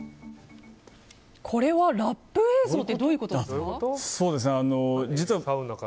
これはラップ映像ってどういうことですか？